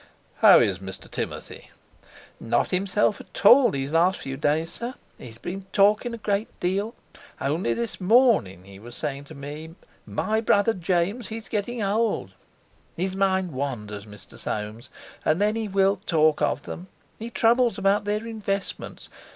"How is Mr. Timothy?" "Not himself at all these last few days, sir; he's been talking a great deal. Only this morning he was saying: 'My brother James, he's getting old.' His mind wanders, Mr. Soames, and then he will talk of them. He troubles about their investments.